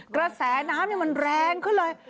กระแสน้ำมันแรงขึ้นเลย